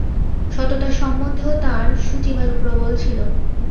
সততা সম্বন্ধেও তাঁর শুচিবায়ু প্রবল ছিল।